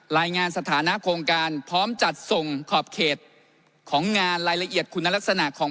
รายงานสถานะโครงการพร้อมจัดส่งขอบเขตของงานรายละเอียดคุณลักษณะของ